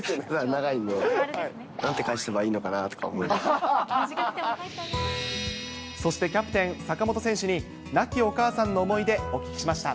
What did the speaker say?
長いんで、なんて返せばいいそして、キャプテン、坂本選手に、亡きお母さんの思い出お聞きしました。